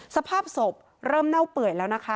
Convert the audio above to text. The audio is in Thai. สภาพศพเริ่มเน่าเปื่อยแล้วนะคะ